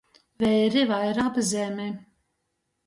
Veiri vaira ap zemi.